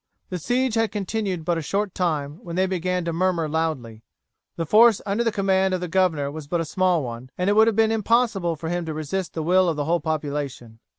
The siege had continued but a short time when they began to murmur loudly. The force under the command of the governor was but a small one, and it would have been impossible for him to resist the will of the whole population.